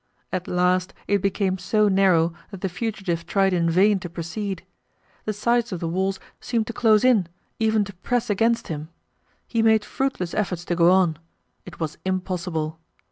At last it became so narrow that the fugitive tried in vain to proceed. The sides of the walls seem to close in, even to press against him. He made fruitless efforts to go on; it was impossible.